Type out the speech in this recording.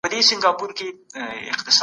سوليزه فکري سيالي به د هېواد په ګټه تمامه سي.